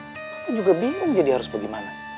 aku juga bingung jadi harus bagaimana